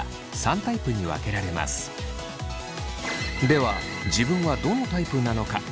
では自分はどのタイプなのか？